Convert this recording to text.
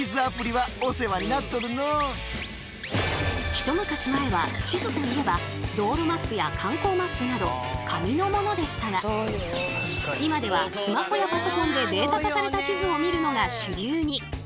一昔前は地図といえば道路マップや観光マップなど紙のものでしたが今ではスマホやパソコンでデータ化された地図を見るのが主流に。